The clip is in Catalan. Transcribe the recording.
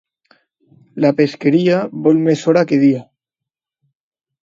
La pesqueria vol més hora que dia.